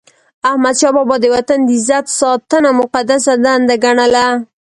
احمدشاه بابا د وطن د عزت ساتنه مقدسه دنده ګڼله.